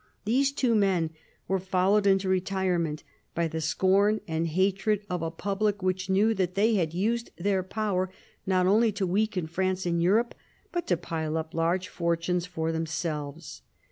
These two men were followed into retirement by the scorn and hatred of a public which knew that they had used their power not only to weaken France in Europe, but to pile up large fortunes for themselves.